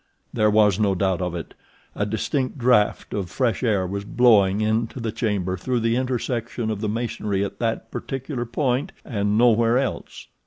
There was no doubt of it! A distinct draft of fresh air was blowing into the chamber through the intersection of the masonry at that particular point—and nowhere else.